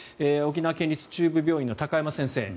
沖縄県立中部病院の高山先生。